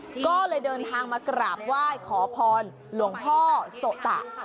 ก็เลยเดินทางมากราบไหว้ขอพรหลวงพ่อโสตะ